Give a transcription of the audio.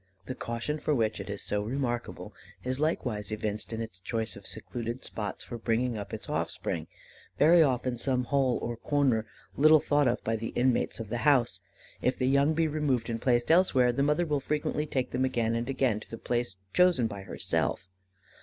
The caution for which it is so remarkable is likewise evinced in its choice of secluded spots for bringing up its offspring; very often some hole or corner little thought of by the inmates of the house. If the young be removed and placed elsewhere, the mother will frequently take them again and again to the place chosen by herself.